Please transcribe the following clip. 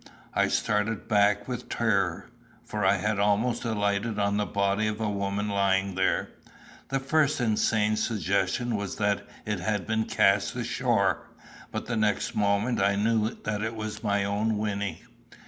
I started back with terror, for I had almost alighted on the body of a woman lying there. The first insane suggestion was that it had been cast ashore; but the next moment I knew that it was my own Wynnie.